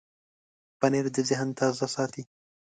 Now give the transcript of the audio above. پنېر د ذهن تازه ساتي.